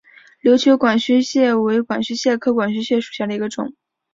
琉球管须蟹为管须蟹科管须蟹属下的一个种。